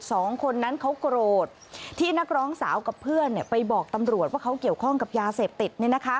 สองคนนั้นเขาโกรธที่นักร้องสาวกับเพื่อนไปบอกตำรวจว่าเขาเกี่ยวข้องกับยาเสพติด